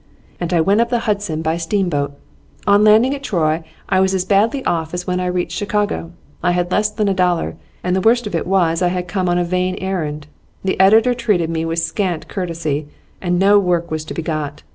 And I went, up the Hudson by steamboat. On landing at Troy I was as badly off as when I reached Chicago; I had less than a dollar. And the worst of it was I had come on a vain errand; the editor treated me with scant courtesy, and no work was to be got.